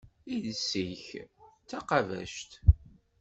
Iles-ik d taqabact.